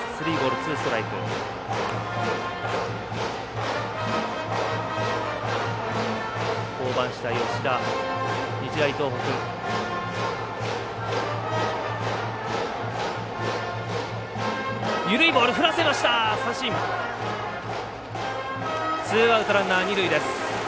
ツーアウト、ランナー、二塁です。